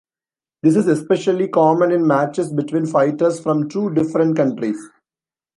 This is especially common in matches between fighters from two different countries.